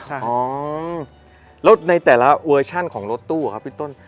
อ๋อแล้วในแต่ละเวอร์ชั่นของรถตู้ครับพี่ต้น